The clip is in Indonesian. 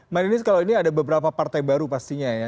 marinis kalau ini ada beberapa partai baru pastinya ya